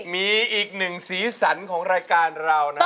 มีอีกหนึ่งสีสันของรายการเรานะฮะ